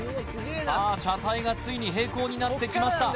さあ車体がついに平行になってきました